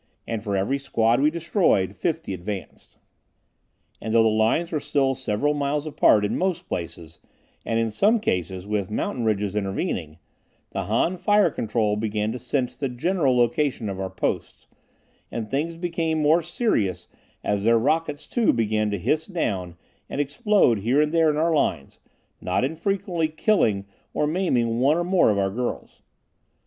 And for every squad we destroyed, fifty advanced. And though the lines were still several miles apart, in most places, and in some cases with mountain ridges intervening, the Han fire control began to sense the general location of our posts, and things became more serious as their rockets too began to hiss down and explode here and there in our lines, not infrequently killing or maiming one or more of our girls.